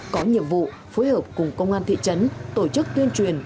có nhiệm vụ phối hợp cùng công an thị trấn tổ chức tuyên truyền